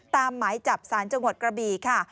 หมายจับสารจังหวัดกระบีค่ะ